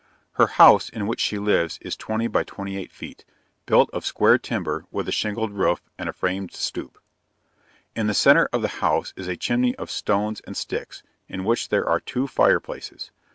Her house, in which she lives, is 20 by 28 feet; built of square timber, with a shingled roof, and a framed stoop. In the centre of the house is a chimney of stones and sticks, in which there are two fire places.